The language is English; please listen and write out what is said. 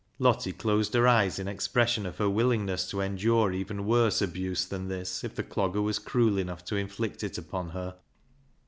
Lottie closed her eyes in expression of her willingness to endure even worse abuse than this if the Clogger was cruel enough to inflict it upon her.